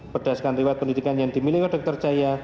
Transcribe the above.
berdasarkan riwat pendidikan yang dimiliki dokter jaya